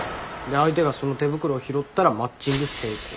で相手がその手袋を拾ったらマッチング成功。